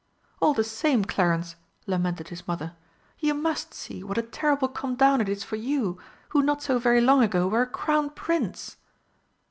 "All the same, Clarence," lamented his Mother, "you must see what a terrible come down it is for you, who not so very long ago were a Crown Prince!"